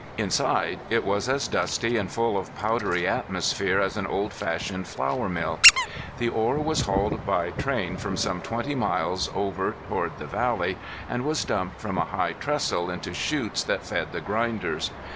Inside it was as dusty and full of a powdery atmosphere as an old fashioned flour mill. The ore was hauled by train from some twenty miles over toward the valley, and was dumped from a high trestle into shutes that fed the grinders.